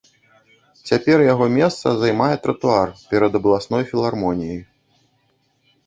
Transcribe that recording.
Цяпер яго месца займае тратуар перад абласной філармоніяй.